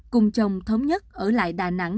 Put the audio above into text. cùng chồng thống nhất ở lại đà nẵng